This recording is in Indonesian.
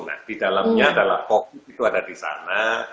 nah di dalamnya adalah fokus itu ada di sana